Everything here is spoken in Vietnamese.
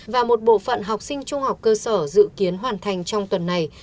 và một bộ phận học sinh trung học cơ sở dự kiến hoàn thành trong tuần này